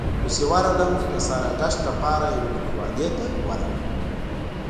پسې ورغلم، د ساراګشت له پاره يوې کنډوالې ته ورغی،